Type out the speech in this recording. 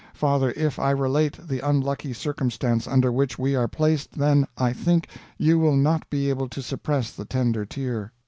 Father, if I relate the unlucky circumstance under which we are placed, then, I think, you will not be able to suppress the tender tear.